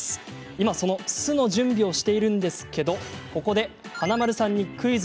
今、その「す」の準備をしているんですけどここでクイズ！